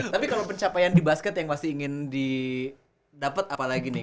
tapi kalau pencapaian di basket yang masih ingin di dapet apa lagi nih